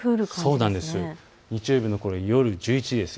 日曜日の夜１１時です。